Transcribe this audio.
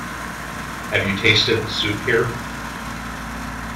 Have you tasted the soup here?